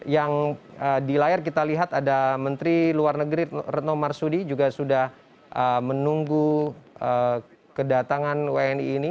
yang di layar kita lihat ada menteri luar negeri retno marsudi juga sudah menunggu kedatangan wni ini